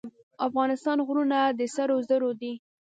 د افغانستان غرونه د سرو زرو دي